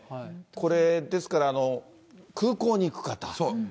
これ、ですから空港に行く方。